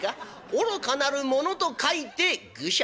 『愚かなる者』と書いて愚者。